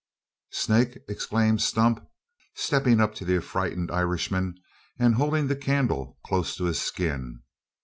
"Snake!" exclaimed Stump, stepping up to the affrighted Irishman, and holding the candle close to his skin.